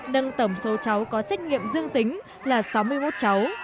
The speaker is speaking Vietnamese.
nâng tổng số cháu có xét nghiệm dương tính là sáu mươi một cháu